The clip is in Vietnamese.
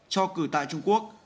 cho cử tại trung quốc